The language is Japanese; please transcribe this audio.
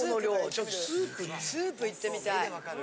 ちょっとスープからいってみる。